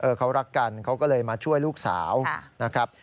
เขารักกันเขาก็เลยมาช่วยลูกสาวนะครับ